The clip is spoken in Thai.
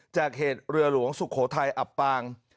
จากเหตุเรือหลวงสุโขทัยอับปาง